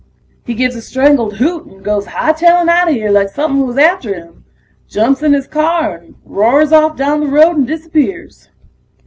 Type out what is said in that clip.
He gives a strangled hoot and goes hightailin' outta here like somepin' was after him. Jumps in his car and roars off down the road and disappears.